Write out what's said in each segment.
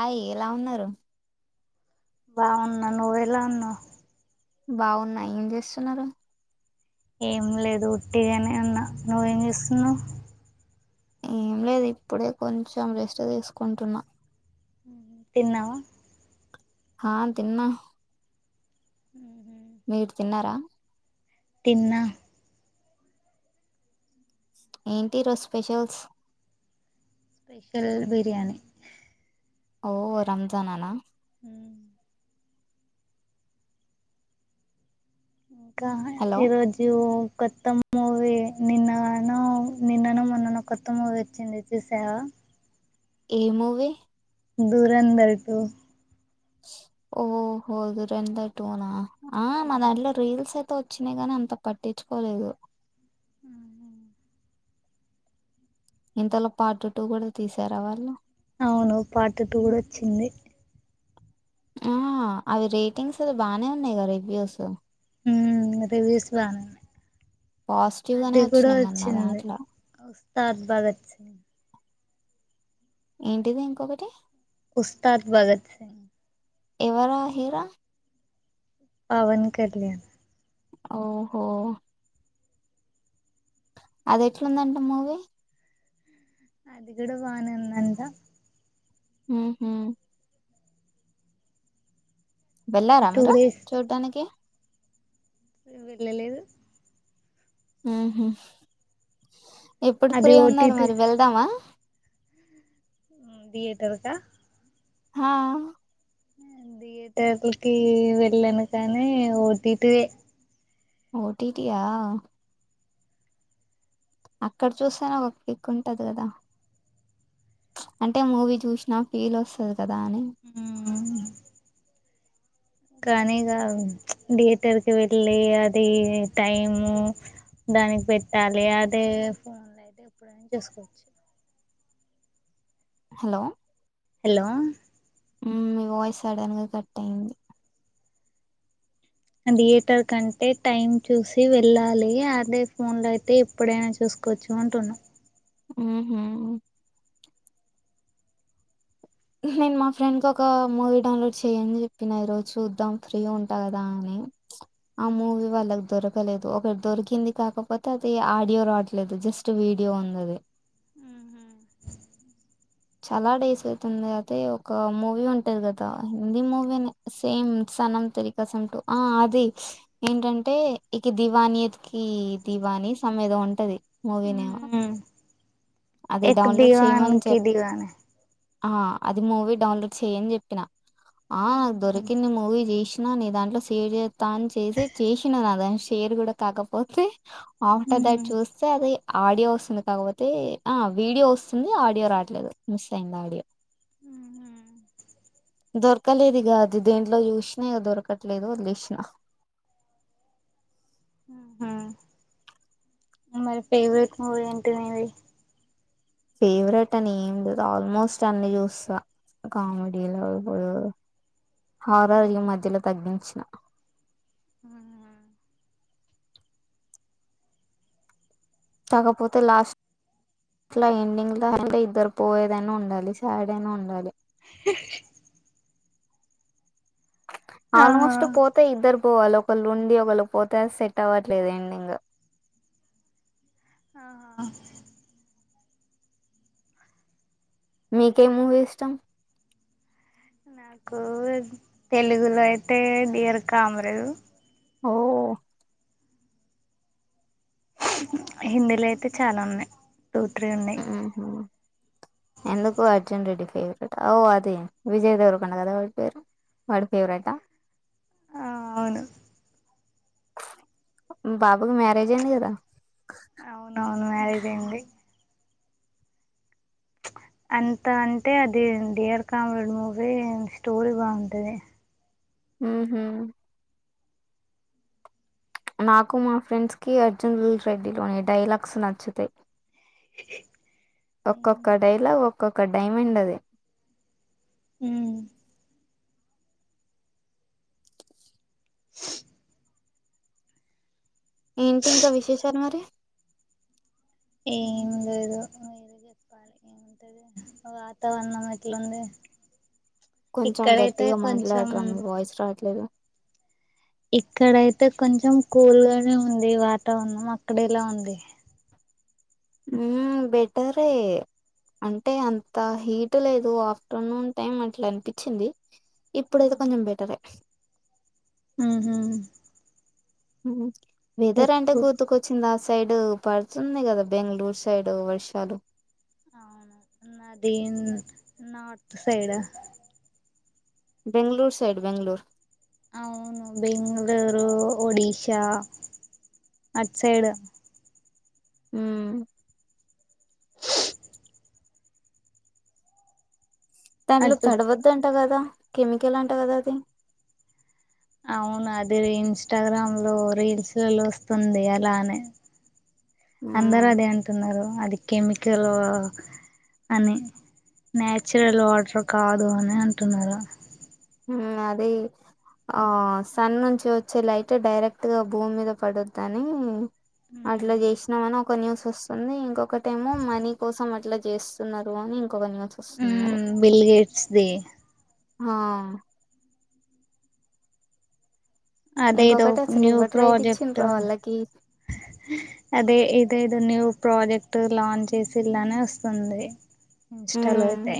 Hi ఎలా ఉన్నారు బాగున్నా నువ్ ఎలా ఉన్నావ్ బావున్నా ఏం చేస్తున్నారు ఏం లేదు ఉట్టిగాని అన్నా నువ్వేం చేస్తున్నావ్ ఏం లేదు ఇప్పుడే కొంచెం రెస్ట్ తీసుకుంటున్నా తిన్నావ హా తిన్నా ఉ మీరు తిన్నారా తిన్న ఏంటి రోజు స్పెషల్స్ స్పెషల్ బిర్యాణి ఓ రంజాన్ నా ఇంకా హలో ఈరోజు కొత్త మూవీ నిన్న నిన్ను నా మొననో కొత్త మూవీ వచ్చింది చూశావా ఏ మూవీ దురంధర్ టు ఓహో దురంధర టు నా దాంట్లో రీల్స్ [unintelligible] అ వచ్చినా గానీ అంత పట్టించుకోలేదు ఇంతలో పార్ట్ టూ కూడ తీసారా వాళ్ళు అవును పార్ట్ టూ కూడా వచ్చింది ఆ అవి రేటింగ్స్ అవి బానే ఉన్నాయి రివ్యూస్ ఉమ్ రివిల్స్ బాగున్నాయి పాజిటివ్ గానే అది కూడా వచ్చినాయి మన వచ్చింది దాంట్లో [unintelligible] భగత్ సింగ్ ఏంటిది ఇంకొకటి ఉస్తాద్ భగత్ సింగ్ ఎవర హీరో పవన్ కల్యాణ్ ఓహో అది ఎట్లుందంట మూవీ అది కూడా బానేందంట ఉహు వెళ్ళారా టూ మీరు డేస్ చూడ్డానికి వెళ్ళలేదు ఉహు ఎప్పుడు అది ఫ్రీ ఉన్నారు ఓటీటీ మరి వెళ్దామా థియేటర్ క హా థియేటర్లకి వెళ్ళను కానీ ఓటిటి ఓటీటీయా అక్కడ చూసే నా ఒక పిక్ ఉంటది కదా అంటే మూవీ చూసినా ఫీల్ వస్తాది కదా అని కానీ గా థియేటర్‌కి వెళ్ళి అది టైము దానికి పెట్టాలి అదే ఫోన్‌ లో అయితే ఎప్పుడైనా చూసుకోవచ్చు హలో హలో మ్మ్ మీ వాయిస్ సడన్‌గా కట్ అయింది థియేటర్ కంటే టైమ్ చూసి వెళ్ళాలి అదే ఫోన్ లో అయితే ఎప్పుడైనా చూసు కోచు అంటున్నా మ్మ్ ఉహ్మ్ నేను మా ఫ్రెండ్ కొకా మూవీ డౌన్లోడ్ చేయ్యని చెప్పిన ఈరోజు చూద్దాం ఫ్రీ ఉంటా కదా అని ఆ మూవీ మ్మ్ వాళ్ళకి దొరకలేదు ఒకటి దొరికింది కాకపోతే అది ఆడియో రాట్లేదు జస్ట్ వీడియో ఉందది హ్మ్ చాలా డేస్ అయితుంది అదే ఒక మూవీ ఉంటంది కదా హిందీ మూవీనే సేమ్ సనం తేరికసం టూ ఆ అది ఏంటంటే ఇకి దివానికి దివా కనీ సం ఏదో ఉంటాది మూవీ నేమ్ అది ఏక్ డౌన్లోడ్ చేయమని దివాన్‌కి చెప్ దివాని ఆ అది మూవీ డౌన్లోడ్ చెయ్యని చెప్పిన ఆ దొరికింది మూవీ చేసి న నీ దాంట్లో షేర్ చేతాని చేసి చేసిన నా దానికి షేర్ కూడా కాకపోతే ఆఫ్టర్ దట్ చూస్తే అది ఆడియో వస్తుంది కాకపోతే ఆ వీడియో వస్తుంది ఆడియో రాట్లేదు మిస్ అయింది ఆడియో మ్మ్ ఉమ్మ్ దొరకలేదు ఇగా అది దేంట్లో చూసినా ఇగ దొరకట్లేదు వదిలేసిన మ్మ్ ఉమ్మ్ మరి ఫేవరెట్ మూవీ ఏంటి నీది ఫేవరెట్ అని ఏం లేదు ఆల్మోస్ట్ అన్ని చూస్తా కామెడీలో ఇప్పుడు హారార్ ఈ మధ్యలో తగ్గిం మ్మ్మ్ కాకపోతే లాస్ స్ట్లా ఎండింగ్‌లా అంటే ఇద్దరు పోయేదైన ఉండాలి సాడ్ అయినా ఉండాలి ఆహా ఆల్మోస్ట్ పోతే ఇద్దరు పోవాలి ఒకళ్ళు ఉండి ఒకళ్ళు పోతే అది సెట్ అవ్వట్లేదు ఎండింగ్ ఆహా మీకే మూవీ ఇష్టం నాకు తెలుగులో అయితే డియర్ కామ్రేడ్ ఓ హిందీలో అయితే చాలా ఉన్నాయి టూ త్రీ ఉన్నాయి మ్మ్ ఉహ్మ్ ఎందుకు అర్జున్ రెడ్డి ఫెవ్ రేట ఓ అది విజయ్ దేవరకొండ కదా వాడి పేరు వాడు ఫేవరెటా ఆ అవును బాబుకు మ్యారేజ్ అయింది కదా అవునవును మ్యారేజ్ అయింది అంత అంటే అది డియర్ కామ్రెడ్ మూవీ స్టోరీ బాగుంటది మ్మ్ ఉహ్మ్ నాకు మా ఫ్రెండ్స్ కి అర్జున్ రెడ్డిలోని డైలాగ్స్ నచ్చుతాయ్ ఒక్కొక్క డైలాగ్ ఒక్కొక్క డైమండ్ అది మ్మ్ ఏంటి ఇంకా విశేషాలు మరి ఏం లేదు ఏముంటది వాతావరణం ఎట్లుంది కొంచెం ఇక్కడైతే గట్టిగ కొంచెం మాట్లాడదం వాయిస్ రాట్లేదు ఇక్కడయితే కొంచెం కూల్గానే ఉంది వాతావరణం అక్కడేలా ఉంది. హ్మ్ బెటరే అంటే అంత హీట్ లేదు ఆఫ్టర్నూన్ టైమ్ అట్ల అనిపించింది. ఇప్పుడైతే కొంచెం బెటరే మ్మ్ హు వెదర్ అంటే గుర్తుకొచ్చిందాస్ సైడు పడుతున్నయి గదా బెంగళూరు సైడ్ వర్షాలు అవునా నాదేం నార్త్ సైడ్ ఆ బెంగళూరు సైడ్ బెంగళూర్ అవును బెంగళూరు, ఒడిశా అట్ సైడ్ హ్మ్ దాంట్లో అటు తడవద్దు అంట కదా కెమికల్ అంట కదా అది అవును అది ఇన్స్టాగ్రామ్ లో రీల్స్ ల్లలో వస్తుంది అలానే అందరు హ్మ్. అదే అంటున్నరు అది కెమికలు అని నాచ్రల్ వాటర్ కాదో అని అంటున్నరు. హ్మ్ అది ఆ సన్ నుంచి వచ్చే లైట్ డైరెక్ట్ గా భూమి మీద పడొద్దని అట్లా చేసినం అని ఒక న్యూస్ వస్తుంది ఇంకొకటెమో మనీ కోసం అట్లా చేస్తున్నరు అని ఇంకోక న్యూస్ వస్తుంది మరి హ్మ్ బిల్ గేట్స్ ది ఆ అదేదో ఇంకొకటి అసలు న్యూ ఇవ్వటి రైట్ ప్రాజెక్ట్ ఇచ్చిండ్ర వాళ్ళకి అదే ఇదేదో న్యూ ప్రాజెక్ట్ లాంచ్ చేసింళ్ళనే వస్తుంది ఇన్స్టాలో ఉమ్ అయితే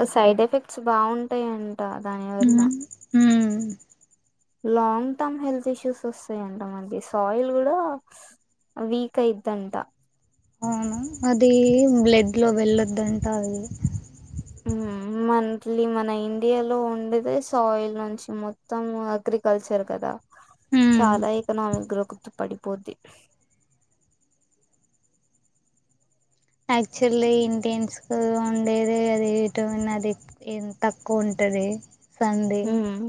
ఆ సైడ్ ఎఫెక్ట్స్ బాగుంటాయన్ హ్మ్ మ్మ్ హు లాంగ్ టర్మ్ హెల్త్ ఇష్యూస్ వస్తాయంట మనకి సాయిల్ గుడా వీక్ అయిందంట అవును అది బ్లడ్ లో వెళ్ళొద్దంట అది హ్మ్మ్ మంత్లీ మన ఇండియాలో ఉండేదే సాయిల్ నుంచి మొత్తం అగ్రికల్చర్ కదా ఉమ్ చాలా ఎకనామిక్ గ్రొత్ పడిపోద్ది యాక్చాలి ఇంటెన్స్కు ఉండేది అది విటమిన్ అది ఈ తక్కువ ఉం టది సన్డే ఉమ్,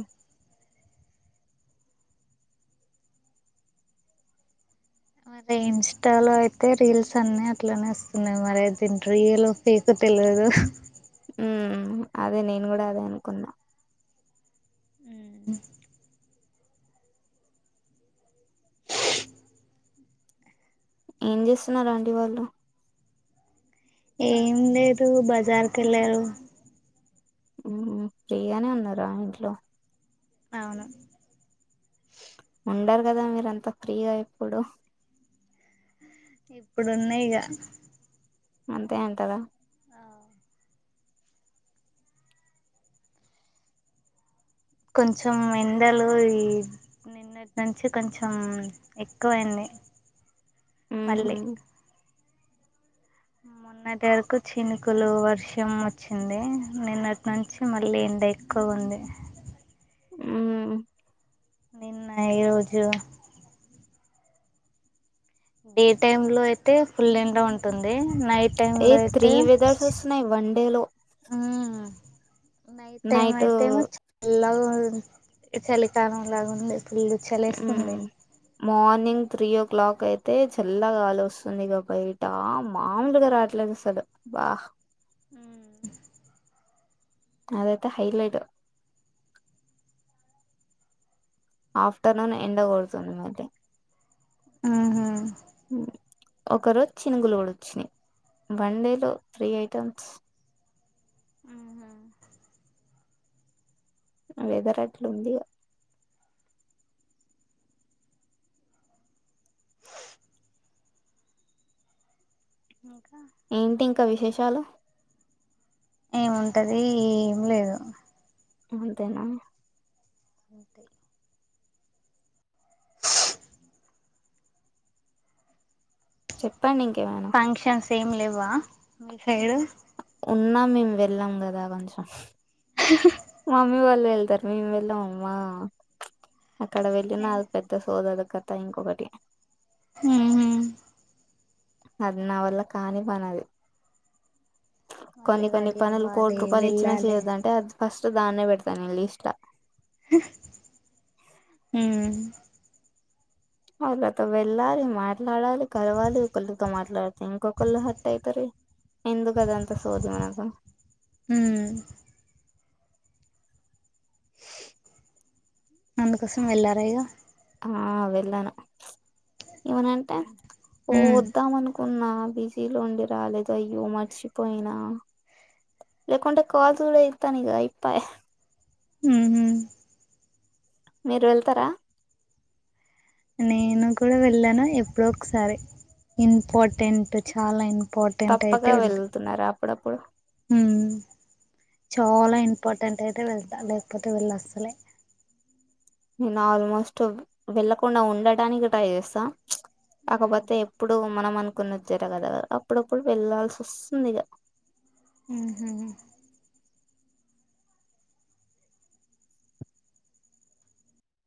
మరి ఇన్స్టాలో అయితే రీల్స్ అన్ని అట్లనే వస్తున్నయి మరి అది రీయలో ఫేకొ తెలవదు హ్మ్ అదే నేను గుడా అదే అనుకున్నా ఆ ఏం చేస్తున్నారు ఆంటీ వాళ్ళు ఏం లేదు బజార్ కెళ్ళారు హ్మ్ హు ప్రిగానే ఉన్నరా ఇంట్లో అవును ఉండరు కదా మీరు అంత ఫ్రీగా ఎప్పుడు ఇప్పుడు ఉన్నాయిగ అంతే ఎంటరా కొంచెం ఎందలో ఈ నిన్నటి నుంచి కొంచెం ఎక్కువయింది ఉహు, మళ్ళీ మొన్నటి వరకు చినుకులు వర్షం వచ్చింది నిన్నటి నుంచి మళ్ళీ అంటే ఎక్కువ ఉంది ఉ. నిన్న ఈరోజు డే టైమ్ లో అయితే ఫుల్ ఏండా ఉంటుంది నైట్ టైమ్ ఏ లో త్రీ అయితే వెదర్స్ వస్తున్నాయి వన్ డే లో నైట్ టైమ్ అయి టైము చాలగా చలికాలం లాగా ఉంది ఫుల్లు చలేస్తుంది మార్నింగ్ త్రీ ఓ క్లాక్ అయితే చల్లగాలు వస్తుంది ఇక బయట మామలుగా రాట్లేదుసలు వా [unintelligible] అదతే హైలైట్ ఆఫ్టర్నూన్ ఎండగోడుతుంది ఐతే ఆ హ ఒక రోజు చినుగులు కూడా వచ్చినాయి వన్ డే లో త్రీ ఐటమ్స్ [unintelligible] అ వెదరట్లు ఉంది [unintelligible] [unintelligible] ఏంటి ఇంకా విశేషాలు ఏముంటది ఏమి లేదు అంతేనా [unintelligible] చెప్పండి ఇంకేమైనా సేమ్ లేవా మీ సైడ్ ఉన్నా మేము వెళ్ళాం కదా కొంచెం మమ్మీ వాళ్ళు వెళ్తారు మేము వెళ్ళాం అమ్మా అక్కడ వెళ్ళిన అది పెద్ద సోదల కత ఇంకొకటి ఉంహ అది నా వల్ల కానీ పనిది మళ్ళీ కొన్ని కొన్ని రెడీ పనులు కోట్ల అవ్వాలి రూపాయలు ఇచ్చినా వెళ్ళాలి చేయొద్దంటే అది ఫస్ట్ దాన్నే పెడతాను నేను లీస్ట్ [unintelligible] అలతో వెళ్ళాలి మాట్లాడాలి కలవాలి ఒకరిళతో మాట్లాడతే ఇంకొకరుళు హట్ అయితరి ఎందుకు అదంతా చోది మనకు ఉమ్ అందుకోసం వెళ్ళారాఇగ ఆ వెళ్ళాను ఏమనంటే ఓ ఉమ్ వద్దాం అనుకు న్నా బిజీలు ఉండి రాలేదు అయ్యో మర్చిపోయినా లే కొంట కాదు కూడా ఇతానుగ ఇయిప్ప ఉంహ మీరు వెళ్తారా నేను కూడా వెళ్ళాను ఎప్పుడోక్సారి ఇంపార్టెంట్ చాలా ఇంప్ తప్పక వెళ్తున్నారా అప్పుడప్పుడు ఉ చాలా ఇంపార్టెంట్ అయితే వెళ్తా లేక్పోతే వెళ్ళ అస్సలే నేనాల్మోస్ట్ వెళ్ళకుండా ఉండటానికి ట్రై చేస్తా ఉమ్ కాకపోతే ఎప్పుడు మనం అనుకున్నది జరగదు. అప్పుడప్పుడు వెళ్లాల్సోస్తుందిగా ఉహ్